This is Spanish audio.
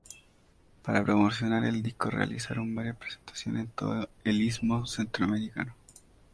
Para promocionar el disco realizaron varias presentaciones en todo el istmo centroamericano.